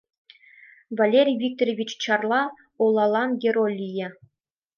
Валерий Викторович Чарла олалан «герой» лие.